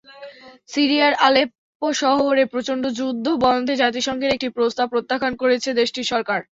সিরিয়ার আলেপ্পো শহরে প্রচণ্ড যুদ্ধ বন্ধে জাতিসংঘের একটি প্রস্তাব প্রত্যাখ্যান করেছে দেশটির সরকার।